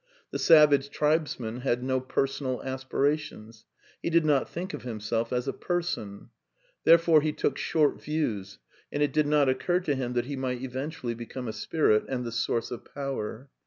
^ The savage tribesman had no personal aspirations. He did not think of himself as a person* Therefore he took short views, and it did not occur to him that he might eventually become a spirit and the source of power.